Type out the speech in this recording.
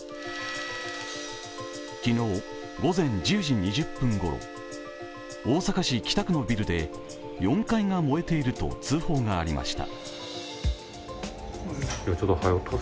昨日午前１０時２０分ごろ、大阪市北区のビルで４階が燃えていると通報がありました。